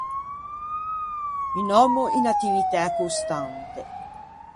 Un òmmo in attivitæ constante.